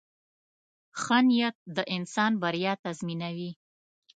• ښه نیت د انسان بریا تضمینوي.